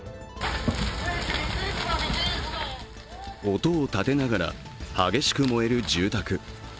音を立てながら激しく燃える住宅。